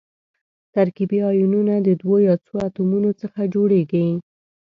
ترکیبي ایونونه د دوو یا څو اتومونو څخه جوړیږي.